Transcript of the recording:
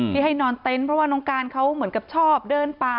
ที่ให้นอนเต็นต์เพราะว่าน้องการเขาเหมือนกับชอบเดินป่า